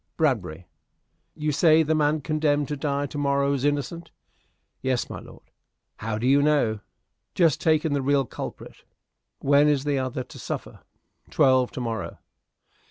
"Bradbury." "You say the man condemned to die to morrow is innocent?" "Yes, my lord." "How do you know?" "Just taken the real culprit." "When is the other to suffer?" "Twelve to morrow."